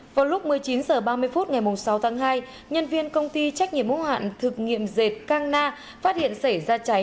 vào lúc một mươi chín h ba mươi phút ngày sáu tháng hai nhân viên công ty trách nhiệm mô hạn thực nghiệm dệt cang na phát hiện xảy ra cháy